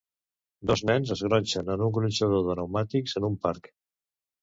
Dos nens es gronxen en un gronxador de neumàtics en un parc.